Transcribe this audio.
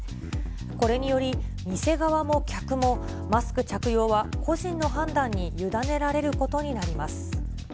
これにより、店側も客もマスク着用は個人の判断に委ねられることになります。